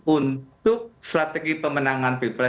untuk strategi pemenangan pilpres dua ribu dua puluh